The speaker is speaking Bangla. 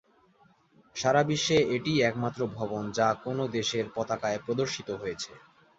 সারা বিশ্বে এটিই একমাত্র ভবন যা কোন দেশের পতাকায় প্রদর্শিত হয়েছে।